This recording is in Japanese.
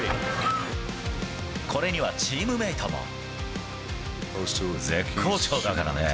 これにはチームメートも。